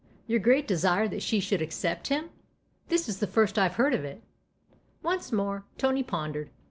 " Your great desire that she should accept him ? This is the first I've heard of it." Once more Tony pondered.